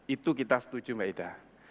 itu kita setuju maeda